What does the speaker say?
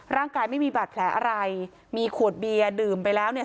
ร่างกายไม่มีบาดแผลอะไรมีขวดเบียร์ดื่มไปแล้วเนี่ย